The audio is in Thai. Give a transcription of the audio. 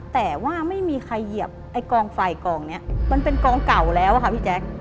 แต่ว่าไม่มีใครเหยียบไอ้กองไฟกองนี้มันเป็นกองเก่าแล้วอะค่ะพี่แจ๊ค